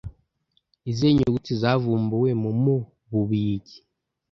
Ni izihe nyuguti zavumbuwe mu mu Bubiligi